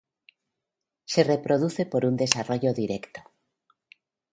Se reproduce por desarrollo directo.